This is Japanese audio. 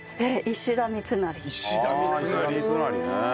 石田三成ね。